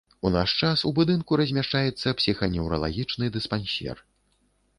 У наш час у будынку размяшчаецца псіханеўралагічны дыспансер.